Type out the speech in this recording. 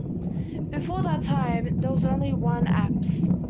Before that time there was only one apse.